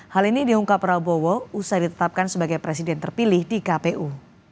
hal ini diungkap prabowo usai ditetapkan sebagai presiden terpilih di kpu